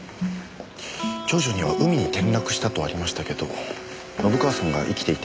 調書には海に転落したとありましたけど信川さんが生きていた